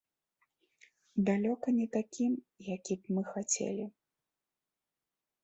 Далёка не такім, які б мы хацелі.